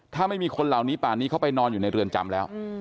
ถ้าไม่มีคนเหล่านี้ป่านนี้เข้าไปนอนอยู่ในเรือนจำแล้ว